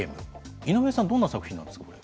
井上さん、どんな作品なんですか。